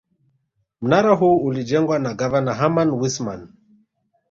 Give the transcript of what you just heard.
Mnara huu ulijengwa na gavana Herman Wissman